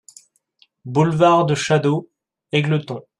Boulevard de Chadaux, Égletons